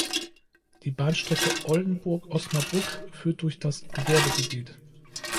Die Bahnstrecke Oldenburg–Osnabrück führt durch das Gewerbegebiet.